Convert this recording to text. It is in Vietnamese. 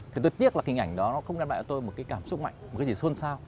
thì tôi tiếc là hình ảnh đó nó không đem lại tôi một cái cảm xúc mạnh một cái gì xôn xao